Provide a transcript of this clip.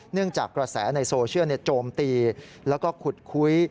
จากกระแสในโซเชียลโจมตีแล้วก็ขุดคุย